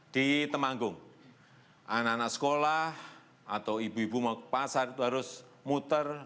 di temanggung anak anak sekolah atau ibu ibu mau ke pasar itu harus muter